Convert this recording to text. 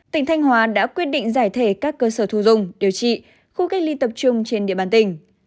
tỉnh thanh hóa đã quyết định giải thể các cơ sở thu dùng điều trị khu cách ly tập trung trên địa bàn tỉnh